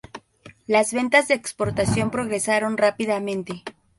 Las ventas de exportación progresaron rápidamente.